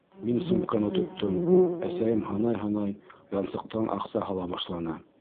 Мин сумканы тоттом, әсәйем һанай-һанай янсыҡтан аҡса һала башланы.